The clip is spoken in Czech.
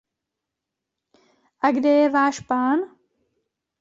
A kde je váš pán?